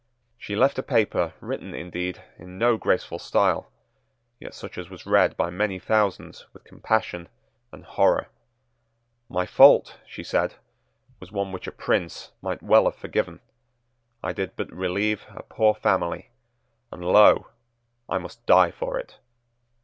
She left a paper written, indeed, in no graceful style, yet such as was read by many thousands with compassion and horror. "My fault," she said, "was one which a prince might well have forgiven. I did but relieve a poor family; and lo! I must die for it."